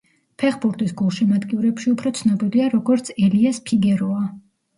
ფეხბურთის გულშემატკივრებში უფრო ცნობილია როგორც ელიას ფიგეროა.